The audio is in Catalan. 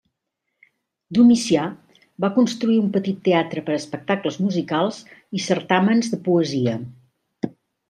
Domicià va construir un petit teatre per espectacles musicals i certàmens de poesia.